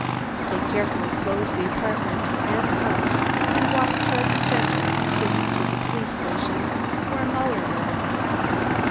They carefully closed the apartment and the house, and walked toward the centre of the city to the police station, where Muller lived.